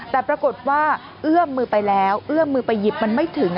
แต่ปรากฏว่าเอื้อมมือไปแล้วเอื้อมมือไปหยิบมันไม่ถึง